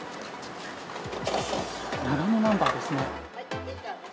長野ナンバーですね。